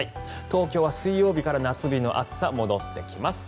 東京は水曜日から夏日の暑さが戻ってきます。